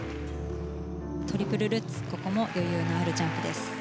トリプルルッツここも余裕のあるジャンプです。